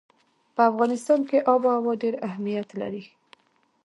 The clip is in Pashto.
په افغانستان کې آب وهوا ډېر اهمیت لري.